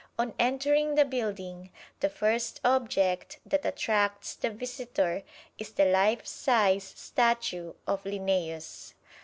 On entering the building, the first object that attracts the visitor is the life size statue of Linnæus.